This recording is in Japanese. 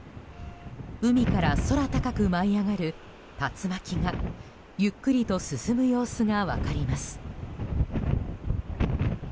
海から空高く舞い上がる竜巻がゆっくりと進む様子が分かります。